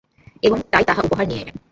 এবং তাই তার উপহার তিনি নিয়ে এলেন।